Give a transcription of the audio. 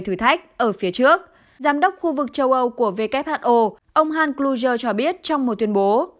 thử thách ở phía trước giám đốc khu vực châu âu của who ông han klucher cho biết trong một tuyên bố